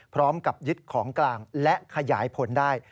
พร้อมกับยึดของกลางและขยายผลได้